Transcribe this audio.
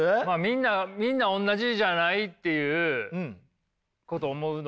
みんな同じじゃないっていうことを思うのか。